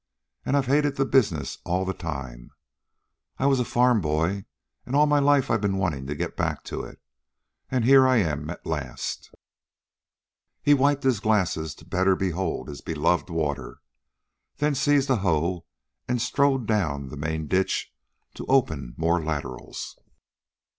And I've hated the business all the time. I was a farm boy, and all my life I've been wanting to get back to it. And here I am at last." He wiped his glasses the better to behold his beloved water, then seized a hoe and strode down the main ditch to open more laterals.